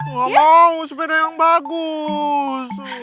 nggak mau sepeda yang bagus